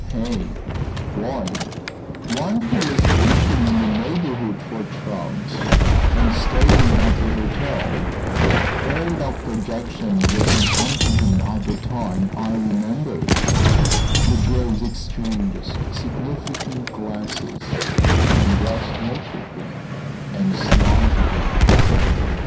"Eh? Why, one who was fishing in the neighborhood for trout, and staying at the hotel. Old Dr. Jackson was in Huntington at the time, I remember." The girls exchanged significant glances, and West noted them and smiled again.